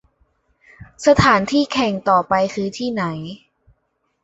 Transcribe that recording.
สถานที่แข่งที่ต่อไปคือที่ไหน